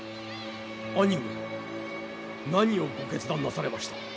兄上何をご決断なされました？